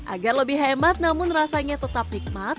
agar lebih hemat namun rasanya tetap nikmat